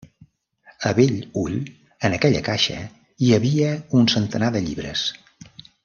A bell ull, en aquella caixa, hi havia un centenar de llibres.